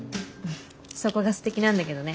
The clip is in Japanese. そこがすてきなんだけどね。